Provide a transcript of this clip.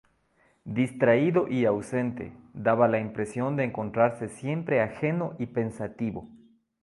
Distraído y ausente, daba la impresión de encontrarse siempre ajeno y pensativo.